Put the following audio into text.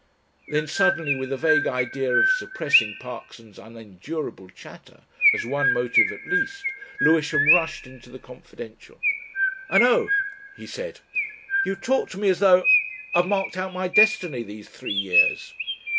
Then suddenly, with a vague idea of suppressing Parkson's unendurable chatter, as one motive at least, Lewisham rushed into the confidential. "I know," he said. "You talk to me as though ... I've marked out my destiny these three years."